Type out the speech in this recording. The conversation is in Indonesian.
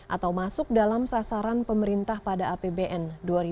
atau masuk dalam sasaran pemerintah pada apbn